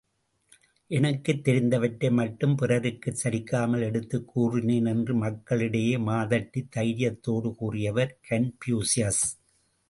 எனக்குத் தெரிந்தவற்றை மட்டும் பிறருக்கு சலிக்காமல் எடுத்துக் கூறினேன் என்று மக்கள் இடையே மார்தட்டித் தைரியத்தோடு கூறியவர் கன்பூசியஸ்!